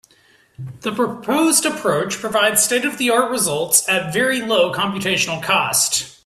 The proposed approach provides state-of-the-art results at very low computational cost.